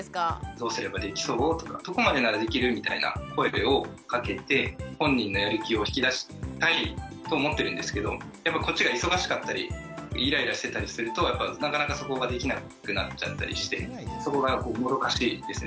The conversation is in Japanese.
「どうすればできそう？」とか「どこまでならできる？」みたいな声をかけて本人のやる気を引き出したいと思ってるんですけどやっぱこっちが忙しかったりイライラしてたりするとなかなかそこができなくなっちゃったりしてそこがもどかしいですね。